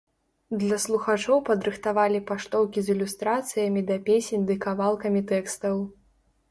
Для слухачоў падрыхтавалі паштоўкі з ілюстрацыямі да песень ды кавалкамі тэкстаў.